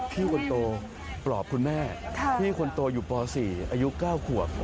พี่คนโตปลอบคุณแม่พี่คนโตอยู่ป๔อายุ๙ขวบ